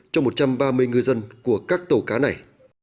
cho một trăm ba mươi ngư dân của các tàu cá này